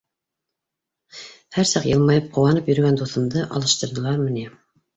Һәр саҡ йылмайып, ҡыуанып йөрөгән дуҫымды алыштырҙылармы ни!